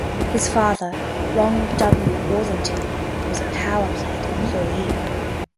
His father, Ronald W. Worthington, was a power plant employee.